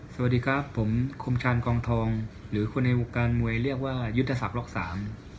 สวัสดีครับผมคมชาญกองทองหรือคนในวงการมวยเรียกว่ายุทธศักดิล็อกสาม